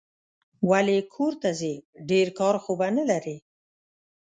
ولي کورته ځې ؟ ډېر کار خو به نه لرې